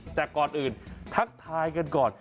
แต่ก่อนอื่นทักทายกันก่อน